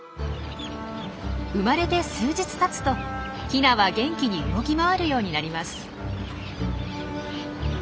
生まれて数日たつとヒナは元気に動き回るようになります。